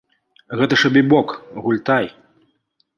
Гэта ж абібок, гультай!